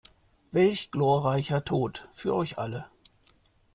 Welch gloreicher Tot für euch alle!